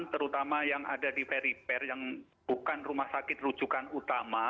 terutama yang ada di periper yang bukan rumah sakit rujukan utama